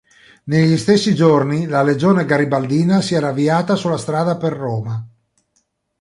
Negli stessi giorni la legione garibaldina si era avviata sulla strada per Roma.